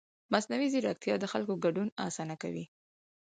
مصنوعي ځیرکتیا د خلکو ګډون اسانه کوي.